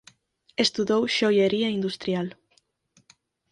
Estudou xoiería industrial.